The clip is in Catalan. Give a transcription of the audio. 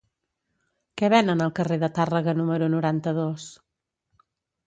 Què venen al carrer de Tàrrega número noranta-dos?